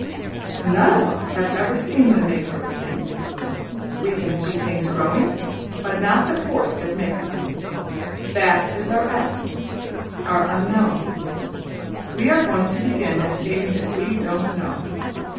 None of us have ever seen the Maker of things. We can see the things growing, but not the force that makes them. \emph{That} is our X; our Unknown. We are going to begin by stating that we don't know.